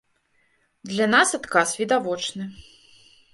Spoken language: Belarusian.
Для нас адказ відавочны.